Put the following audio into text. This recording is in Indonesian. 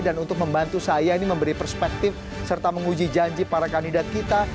dan untuk membantu saya ini memberi perspektif serta menguji janji para kandidat kita